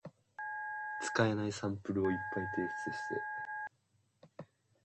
Their intent was to make the Independent Party the majority party in the legislature.